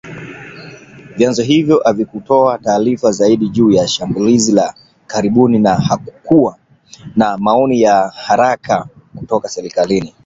Vyanzo hivyo havikutoa taarifa zaidi juu ya shambulizi la karibuni na hakukuwa na maoni ya haraka kutoka serikalini